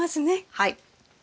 はい。